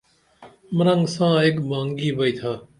مرنگ ساں ایک بانگی بیئتھا